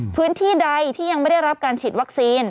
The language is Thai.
พื้นที่ใดที่ยังไม่ได้รับการฉีดวัคซีน